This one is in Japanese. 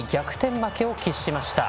負けを喫しました。